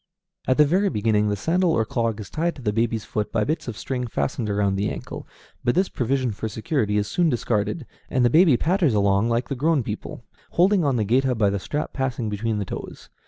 At the very beginning the sandal or clog is tied to the baby's foot by bits of string fastened around the ankle, but this provision for security is soon discarded, and the baby patters along like the grown people, holding on the géta by the strap passing between the toes.